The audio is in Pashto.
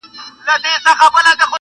مسافر ته سوه پیدا په زړه کي تمه -